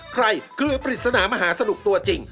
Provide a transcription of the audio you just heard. เครือปริศนามหาสนุกตัวจริง